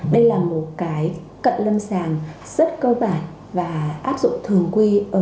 đây là một cái cận lâm sàng rất cơ bản và áp dụng thường quy